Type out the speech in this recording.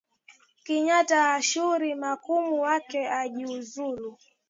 Kenyatta ashauri makamu wake ajiuzulu